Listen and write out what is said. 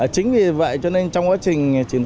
chính vì vậy cho nên trong quá trình